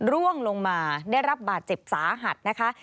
ร่วงลงมาได้รับบาดเจ็บสาหัสนะคะ